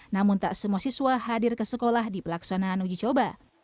namun tak semua siswa hadir ke sekolah di pelaksanaan uji coba